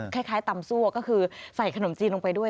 คล้ายตำซั่วก็คือใส่ขนมจีนลงไปด้วย